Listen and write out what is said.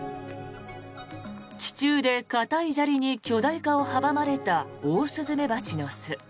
地中で硬い砂利に巨大化を阻まれたオオスズメバチの巣。